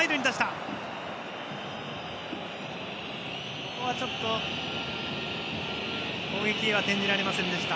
ここはちょっと攻撃へは転じられませんでした。